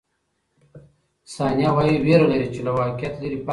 ثانیه وايي، وېره لري چې له واقعیت لیرې پاتې نه شي.